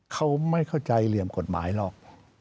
เขาไม่เข้าใจเหลี่ยมกฎหมายหรอก